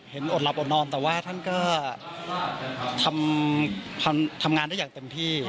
อดหลับอดนอนแต่ว่าท่านก็ทำงานได้อย่างเต็มที่